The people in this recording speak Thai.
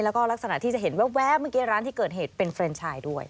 แล้วก็ลักษณะที่จะเห็นแว๊บเมื่อกี้ร้านที่เกิดเหตุเป็นเฟรนชายด้วย